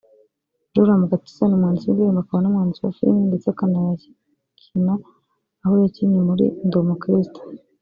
Joram Gakiza ni umwanditsi w’indirimbo akaba n’umwanditsi wa filime ndetse akanayakina aho yakinnye muri; Ndi umukristo